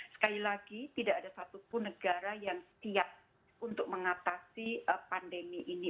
sekali lagi tidak ada satupun negara yang siap untuk mengatasi pandemi ini